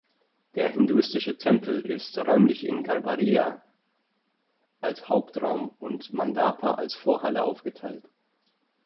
Der hinduistische Tempel ist räumlich in Garbhagriha als Hauptraum und Mandapa als Vorhalle aufgeteilt.